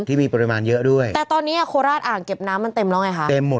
ที่มีปริมาณเยอะด้วยแต่ตอนนี้อ่ะโคราชอ่างเก็บน้ำมันเต็มแล้วไงคะเต็มหมด